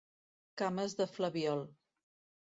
Cames de flabiol.